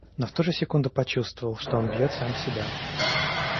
Но в ту же секунду почувствовал, что он бьет сам себя.